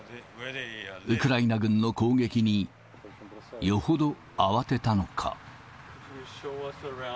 ウクライナ軍の攻撃に、よほど慌てたのか。